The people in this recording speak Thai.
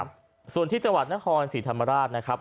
ครับส่วนที่จังหวัดนครศรีธรรมราชนะครับ